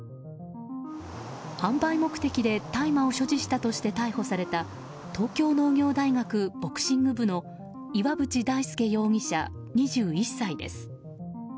販売目的で大麻を所持したとして逮捕された東京農業大学ボクシング部の岩渕大輔容疑者、２１歳です。